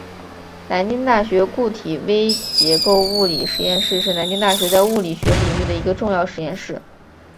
南京大学固体微结构物理实验室是南京大学在物理学领域的一个重要实验室。